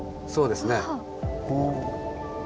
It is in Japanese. そうですね。